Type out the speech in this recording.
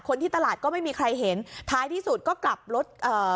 คนที่ตลาดก็ไม่มีใครเห็นท้ายที่สุดก็กลับรถเอ่อ